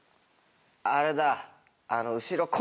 あれだ！